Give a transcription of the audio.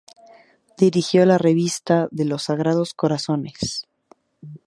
Dirigió la revista de los Sagrados Corazones.